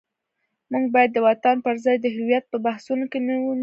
موږ باید د وطن پر ځای د هویت په بحثونو کې نه ونیو.